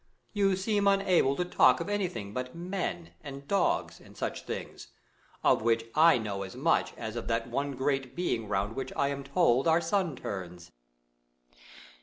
You seem unable to talk of anything but men, and dogs, and such things, of which I know as much as of that one great being round which I am told our sun turns.